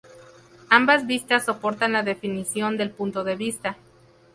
Ambas vistas soportan la definición del punto de vista.